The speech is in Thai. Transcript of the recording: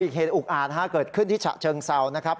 เหตุอุกอาจเกิดขึ้นที่ฉะเชิงเซานะครับ